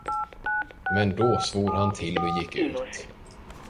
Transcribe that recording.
Men då svor han till och gick ut.